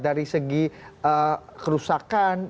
dari segi kerusakan